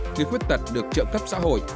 người khuyết tật được trợ cấp xã hội